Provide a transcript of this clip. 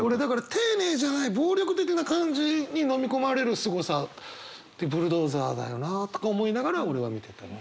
丁寧じゃない暴力的な感じにのみ込まれるすごさってブルドーザーだよなとか思いながら俺は見てたね。